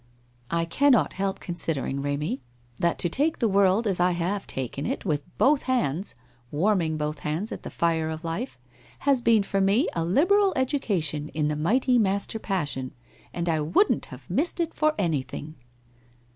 ' I cannot help considering, Pemy, that to take the world Bfl I have taken it, with both hands, warming both hands at the fire of life, has been for me a liberal education in the mighty master passion, and I wouldn't have missed it for anything.'